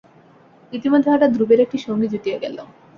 ইতিমধ্যে হঠাৎ ধ্রুবের একটি সঙ্গী জুটিয়া গেল।